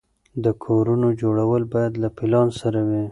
د کورونو جوړول باید له پلان سره وي.